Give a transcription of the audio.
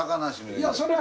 いやそれは。